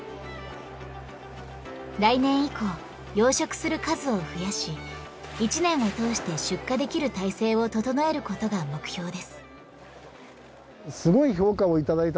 来年以降養殖する数を増やし一年を通して出荷できる態勢を整えることが目標です。